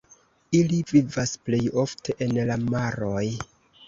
Ili vivas plej ofte en la maroj.